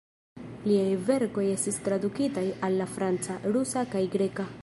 Liaj verkoj estis tradukitaj al la franca, rusa kaj greka.